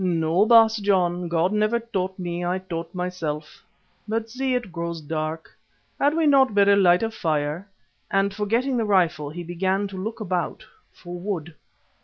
"No, Baas John, God never taught me, I taught myself. But, see, it grows dark. Had we not better light a fire," and forgetting the rifle he began to look about for wood.